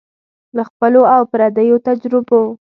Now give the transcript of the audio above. له خپلو او پردیو تجربو